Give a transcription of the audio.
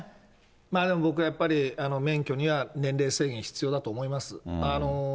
でも僕はやっぱり、免許には年齢制限、必要だと思います。